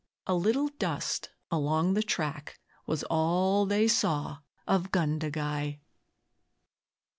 A little dust along the track Was all they saw of 'Gundagai'.